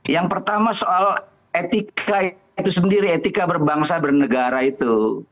yang pertama soal etika itu sendiri etika berbangsa bernegara itu